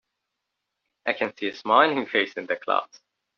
I can see a smiling face in the clouds.